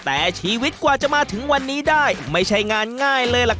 แต่ชีวิตกว่าจะมาถึงวันนี้ได้ไม่ใช่งานง่ายเลยล่ะครับ